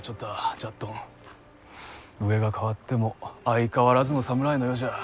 じゃっどん、上が変わっても相変わらずの侍の世じゃ。